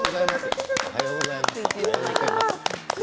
おはようございます。